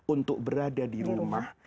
untuk berada di rumah